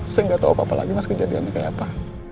saya nggak tahu apa apa lagi mas kejadiannya kayak apa